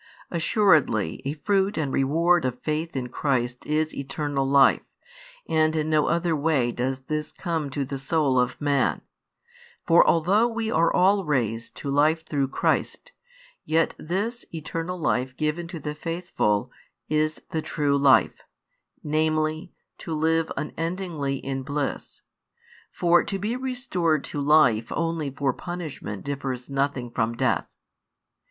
Assuredly a fruit and reward of faith in Christ is eternal life, and in no other way does this come to the soul of man. For although we are all raised to life through Christ, yet this [eternal life given to the faithful] is the true life, namely, to live unendingly in bliss; for to be restored to life only for punishment differs nothing from death.